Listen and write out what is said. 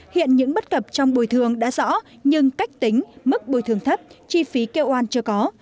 hiện những bất cập trong bồi thường đã rõ nhưng cách tính mức bồi thường thấp chi phí kêu oan chưa có